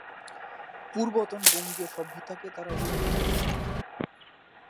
পূর্বতন বঙ্গীয় সভ্যতাকে তারা উন্নত করে তোলেন।